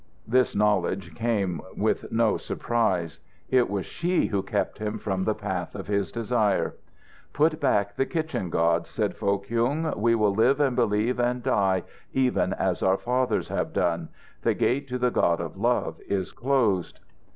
This knowledge came with no surprise. It was she who kept him from the path of his desire! "Put back the kitchen gods," said Foh Kyung. "We will live and believe and die even as our fathers have done. The gate to the God of love is closed."